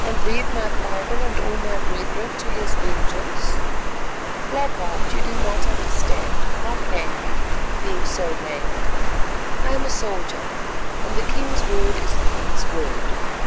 "And leave my father and all my brethren to his vengeance? Black Heart, you do not understand. How can you, being so named? I am a soldier, and the king's word is the king's word.